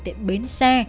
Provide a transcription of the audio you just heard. tại bến xe